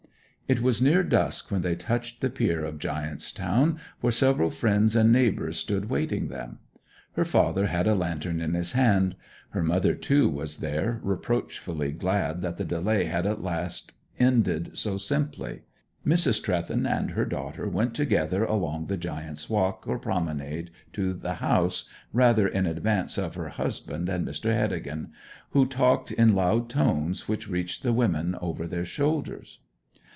It was near dusk when they touched the pier of Giant's Town, where several friends and neighbours stood awaiting them. Her father had a lantern in his hand. Her mother, too, was there, reproachfully glad that the delay had at last ended so simply. Mrs. Trewthen and her daughter went together along the Giant's Walk, or promenade, to the house, rather in advance of her husband and Mr. Heddegan, who talked in loud tones which reached the women over their shoulders.